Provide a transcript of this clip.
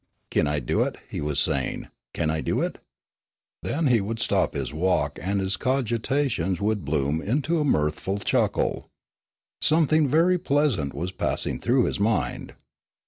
"Kin I do it?" he was saying. "Kin I do it?" Then he would stop his walk and his cogitations would bloom into a mirthful chuckle. Something very pleasant was passing through his mind.